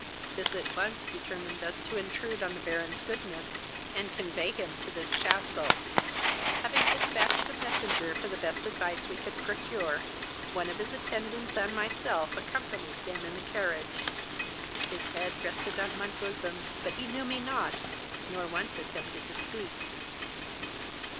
This at once determined us to intrude on the Baron's goodness, and convey him to this castle. "Having dispatched a messenger for the best advice we could procure, one of his attendants and myself accompanied him in the carriage. His head rested on my bosom, but he knew me not, nor once attempted to speak.